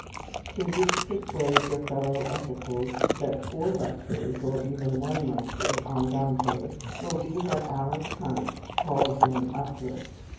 Please persuade your fellow Ethicals that four lectures or even one lecture on Dante will be what Alice Hunt calls an "uplift."